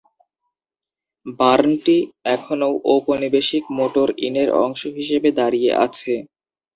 বার্নটি এখনও ঔপনিবেশিক মোটর ইনের অংশ হিসেবে দাঁড়িয়ে আছে।